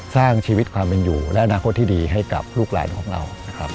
สร้างชีวิตความเป็นอยู่และอนาคตที่ดีให้กับลูกหลานของเรานะครับ